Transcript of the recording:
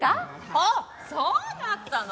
あっそうだったの？